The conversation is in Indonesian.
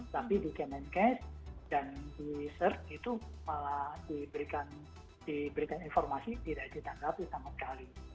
tapi di kemenkes dan di search itu malah diberikan informasi tidak ditanggapi sama sekali